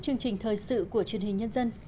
chương trình thời sự của truyền hình nhân dân